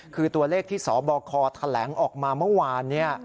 คือตัวเลขที่สบคแถลงออกมาเมื่อวาน